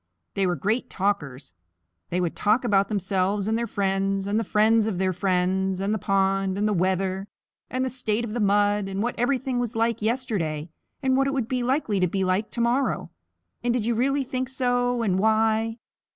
They were great talkers. They would talk about themselves, and their friends, and the friends of their friends, and the pond, and the weather, and the state of the mud, and what everything was like yesterday, and what it would be likely to be like to morrow, and did you really think so, and why?